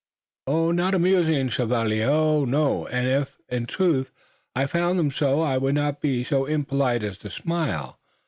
"Not amusing, chevalier! Oh, no! And if, in truth, I found them so I would not be so impolite as to smile.